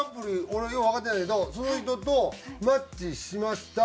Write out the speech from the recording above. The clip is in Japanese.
俺ようわかってないけどその人とマッチしました。